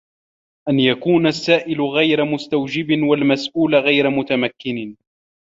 أَنْ يَكُونَ السَّائِلُ غَيْرَ مُسْتَوْجِبٍ وَالْمَسْئُولُ غَيْرُ مُتَمَكِّنٍ